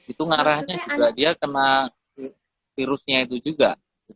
itu ngarahnya juga dia kena virusnya itu juga